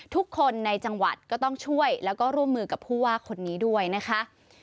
ทุกคนในจังหวัดก็ต้องช่วยแล้วก็ร่วมมือกับผู้ว่าคนนี้ด้วยนะคะ